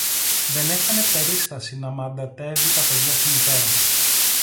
Δεν έχανε περίσταση να μαντατεύει τα παιδιά στη μητέρα